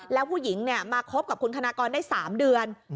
แล้วผู้หญิงเนี่ยมาเทียบกับคุณคณะกอรได้ปืน๓เดือน